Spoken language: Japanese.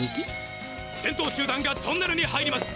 先頭集団がトンネルに入ります。